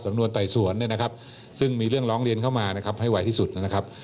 นวนไต่สวนเนี่ยนะครับซึ่งมีเรื่องร้องเรียนเข้ามานะครับให้ไวที่สุดนะครับ